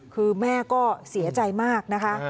คือแม่ก็เสียใจมากนะคะ